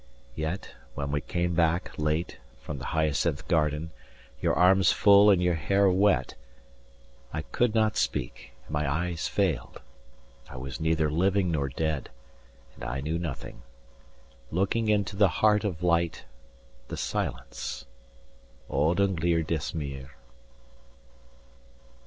—Yet when we came back, late, from the Hyacinth garden, Your arms full, and your hair wet, I could not Speak, and my eyes failed, I was neither Living nor dead, and I knew nothing, 40 Looking into the heart of light, the silence. Öd' und leer das Meer.